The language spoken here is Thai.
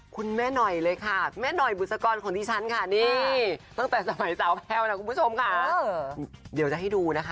ของที่ฉันค่ะนี่ตั้งแต่สมัยเจ้าแพ้วนะคุณผู้ชมค่ะเดี๋ยวจะให้ดูนะคะ